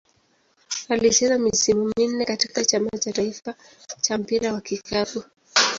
Alicheza misimu minne katika Chama cha taifa cha mpira wa kikapu.